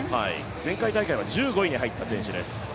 前回大会は１５位に入った選手です。